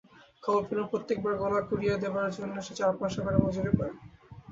খবর পেলুম, প্রত্যেকবার গোলা কুড়িয়ে দেবার জন্যে সে চার পয়সা করে মজুরি পায়।